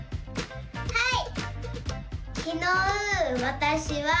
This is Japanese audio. はい！